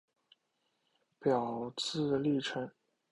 表字稷臣。